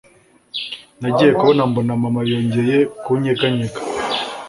Nagiye kubona mbona mama yongeye kunyeganyega